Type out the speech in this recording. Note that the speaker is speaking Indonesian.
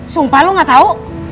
sumpah lu gak tau